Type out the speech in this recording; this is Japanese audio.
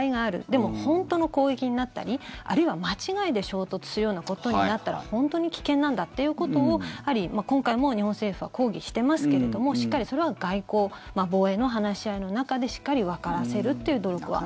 でも本当の攻撃になったりあるいは間違いで衝突するようなことになったら本当に危険なんだということを今回も日本政府は抗議してますけれどもしっかりそれは外交、防衛の話し合いの中でしっかりわからせるという努力は。